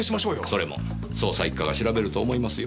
それも捜査一課が調べると思いますよ。